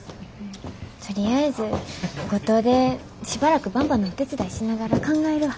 とりあえず五島でしばらくばんばのお手伝いしながら考えるわ。